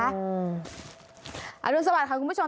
อรุณสวัสดิค่ะคุณผู้ชม